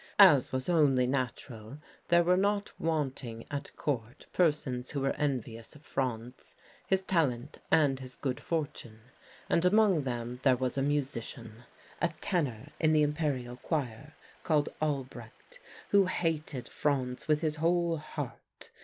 As was only natural, there were not wanting at Court persons who were envious of Franz, his talent, and his good fortune. And among them there was a musician, a tenor in the Imperial choir, called Albrecht, who hated Franz with his whole heart.